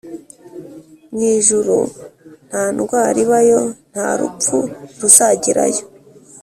Mu ijuru nta ndwar'ibayo, nta rupfu ruzagerayo